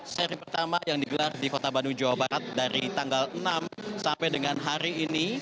seri pertama yang digelar di kota bandung jawa barat dari tanggal enam sampai dengan hari ini